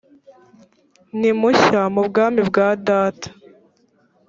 ni munshya mu bwami bwa data